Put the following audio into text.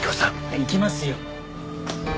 行きますよ。